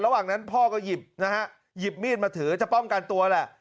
ระหว่างนั้นพ่อก็หยิบนะฮะหยิบมีดมาถือจะป้องกันตัวแหละ